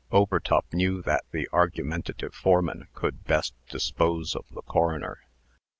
Overtop knew that the argumentative foreman could best dispose of the coroner.